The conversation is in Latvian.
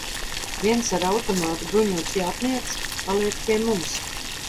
Viens ar automātu bruņots jātnieks paliek pie mums.